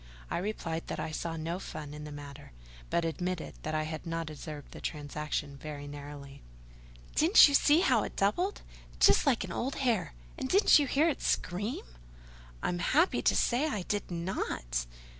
I replied that I saw no fun in the matter; but admitted that I had not observed the transaction very narrowly. "Didn't you see how it doubled—just like an old hare? and didn't you hear it scream?" "I'm happy to say I did not."